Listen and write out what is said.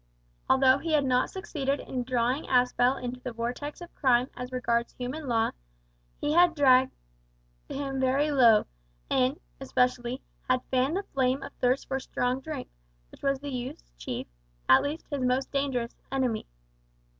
Although he had not succeeded in drawing Aspel into the vortex of crime as regards human law, he had dragged him very low, and, especially, had fanned the flame of thirst for strong drink, which was the youth's chief at least his most dangerous enemy.